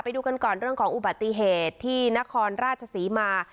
ไปดูกันก่อนเรื่องของอุบัติเหตุที่นครราชศรีมา